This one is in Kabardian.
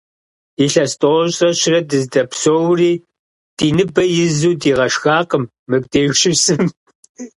Илъэс тӀощӀрэ щырэ дыздопсэури, ди ныбэ изу дигъэшхакъым мобдеж щысым.